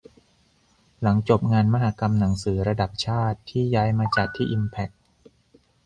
หลังจบงานมหกรรมหนังสือระดับชาติ ที่ย้ายมาจัดที่อิมแพ็ค